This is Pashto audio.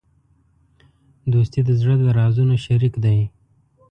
دوستي د زړه د رازونو شریک دی.